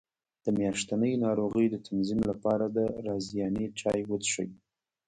د میاشتنۍ ناروغۍ د تنظیم لپاره د رازیانې چای وڅښئ